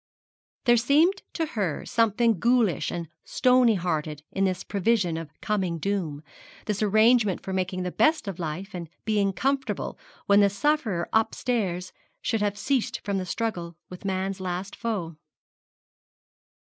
There seemed to her something ghoulish and stony hearted in this prevision of coming doom, this arrangement for making the best of life and being comfortable when the sufferer upstairs should have ceased from the struggle with man's last foe.